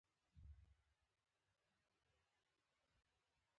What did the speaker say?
جاسوسي کول ملي خیانت دی.